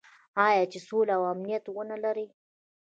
آیا چې سوله او امنیت ونلري؟